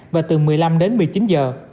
và từ một mươi năm đến một mươi chín giờ